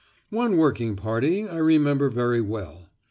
One working party I remember very well.